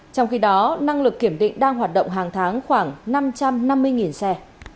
trong khi đó năng lực kiểm định đang hoạt động hàng tháng khoảng năm trăm năm mươi xe